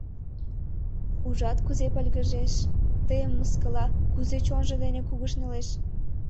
Ужат, кузе пыльгыжеш, тыйым мыскыла, кузе чонжо дене кугешнылеш.